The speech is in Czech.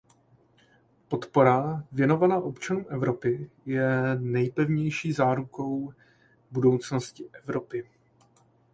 Podpora věnovaná občanům Evropy je nejpevnější zárukou budoucnosti Evropy.